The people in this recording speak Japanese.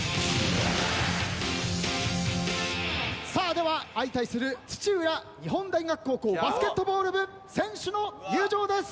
では相対する土浦日本大学高校バスケットボール部選手の入場です。